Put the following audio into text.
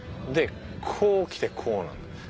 でこう来てこうなんだ。